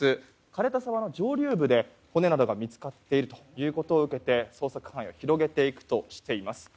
枯れた沢の上流部で骨などが見つかっていることを受けて捜索範囲を広げていくとしています。